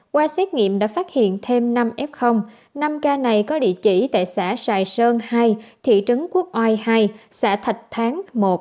qua xét nghiệm đã phát hiện thêm năm f năm ca này có địa chỉ tại xã sài sơn hai thị trấn quốc oai hai xã thạch tháng một